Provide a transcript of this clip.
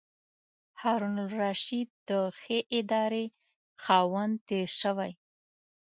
هارون الرشید د ښې ادارې خاوند تېر شوی.